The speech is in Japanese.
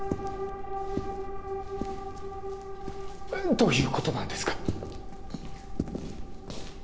どういうことなんですか？